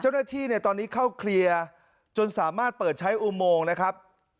เจ้าหน้าที่เนี่ยตอนนี้เข้าเคลียร์จนสามารถเปิดใช้อุโมงนะครับ